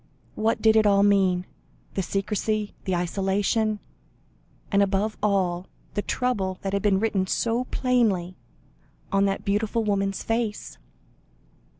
What did it all mean the secrecy, the isolation, and above all the trouble that had been written so plainly on that beautiful woman's face?